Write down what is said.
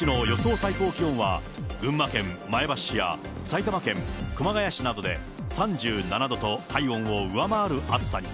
最高気温は、群馬県前橋市や埼玉県熊谷市などで３７度と体温を上回る暑さに。